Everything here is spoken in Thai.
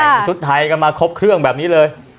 แต่งชุดไทยกันมาครบเครื่องแบบนี้เลย